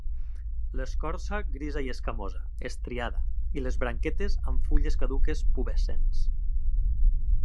L'escorça grisa i escamosa, estriada, i les branquetes amb fulles caduques pubescents.